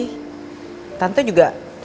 jadi biar tante yang jagain putri